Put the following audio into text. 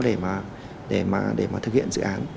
để thực hiện dự án